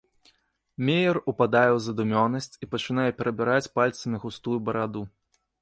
Меер упадае ў задумёнасць і пачынае перабіраць пальцамі густую бараду.